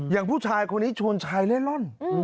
อย่างผู้ชายคนนี้ชวนชายเล่ร่อน